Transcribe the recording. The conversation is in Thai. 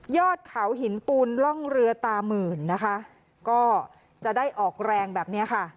อดเขาหินปูนร่องเรือตามื่นนะคะก็จะได้ออกแรงแบบเนี้ยค่ะ